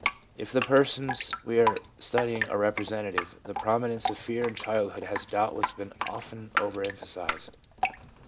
If the persons we are studying are representative, the prominence of fear in childhood has doubtless been often over emphasised.